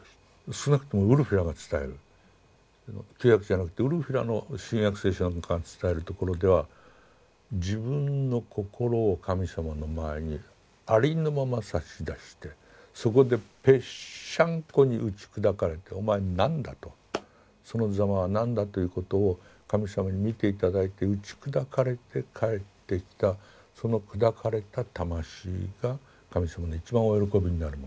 少なくともウルフィラが伝える旧約じゃなくてウルフィラの「新約聖書」が伝えるところでは自分の心を神様の前にありのまま差し出してそこでぺっしゃんこに打ち砕かれてお前何だとそのざまは何だということを神様に見て頂いて打ち砕かれて帰ってきたその砕かれた魂が神様の一番お喜びになるものだ。